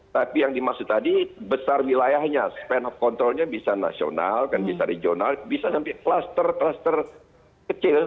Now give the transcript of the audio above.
tapi yang dimaksud tadi besar wilayahnya span of controlnya bisa nasional kan bisa regional bisa sampai kluster kluster kecil